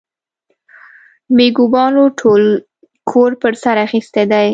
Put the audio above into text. مېږيانو ټول کور پر سر اخيستی دی.